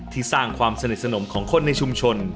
สร้างความสนิทสนมของคนในชุมชน